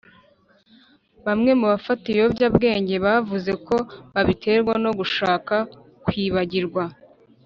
bamwe mu bafata ibiyobyabwenge bavuga ko babiterwa no gushaka kwibagirwa